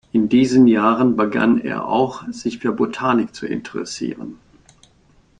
In diesen Jahren begann er auch, sich für Botanik zu interessieren.